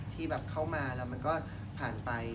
ที่แบบเข้ามาแล้วมันก็ผ่านไป